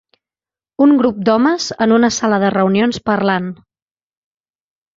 Un grup d'homes en una sala de reunions parlant.